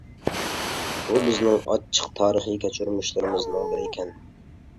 بۇ بىزنىڭ ئاچچىق تارىخى كەچۈرمىشلىرىمىزنىڭ بىرىكەن.